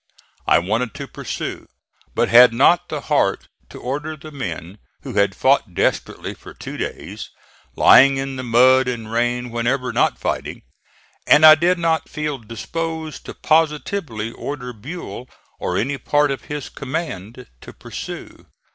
I wanted to pursue, but had not the heart to order the men who had fought desperately for two days, lying in the mud and rain whenever not fighting, and I did (*8) not feel disposed to positively order Buell, or any part of his command, to pursue.